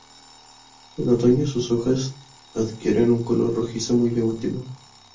En otoño sus hojas adquieren un color rojizo muy llamativo.